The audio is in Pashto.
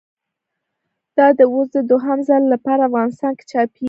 دا دی اوس د دوهم ځل له پاره افغانستان کښي چاپېږي.